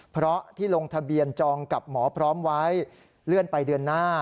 เพราะที่ลงทะเบียนจองกับหมอพร้อมไว้เลื่อนไปเดือนหน้า